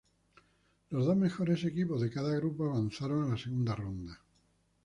Los dos mejores equipos de cada grupo avanzaron a la segunda ronda.